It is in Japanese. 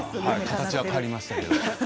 形は変わりましたけど。